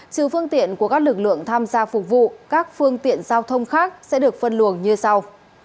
trừ phương tiện của các lực lượng tham gia phục vụ các phương tiện giao thông khác sẽ được phân luồng như sau